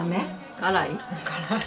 辛い。